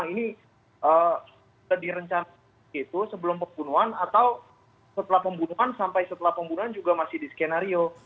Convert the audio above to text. ini direncana sebelum pembunuhan atau setelah pembunuhan sampai setelah pembunuhan juga masih di skenario